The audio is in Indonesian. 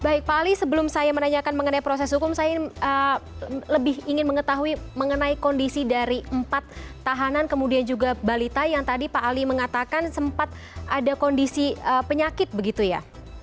baik pak ali sebelum saya menanyakan mengenai proses hukum saya lebih ingin mengetahui mengenai kondisi dari empat tahanan kemudian juga balita yang tadi pak ali mengatakan sempat ada kondisi penyakit begitu ya